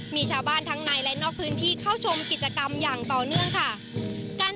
มีชาวบ้านทั้งในและนอกพื้นที่เข้าชมกิจกรรมอย่างต่อเนื่องค่ะ